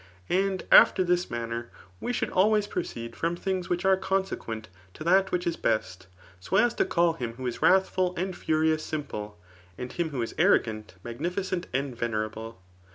And after this maOBer we should always proceed from tliings which are consequent to that which is best ; so as to call him who is wrathful and furious, dmple ; and him who is arrogant, magnificent and venerable.